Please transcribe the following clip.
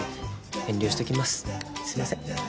すいません。